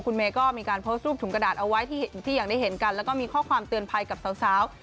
คุณเมย์ก็มีการโพสต์รูปถุงกระดาษเอาไว้ที่อย่างได้เห็นกันแล้วก็มีข้อความเตือนภัยกับสาว